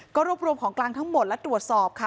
ก็รวบรวมของกลางทั้งหมดและตรวจสอบค่ะ